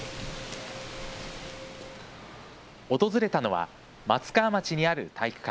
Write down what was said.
訪れたのは松川町にある体育館。